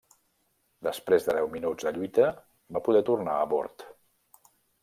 Després de deu minuts de lluita, va poder tornar a bord.